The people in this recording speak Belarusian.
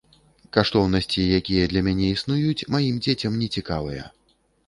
Каштоўнасці, якія для мяне існуюць, маім дзецям нецікавыя.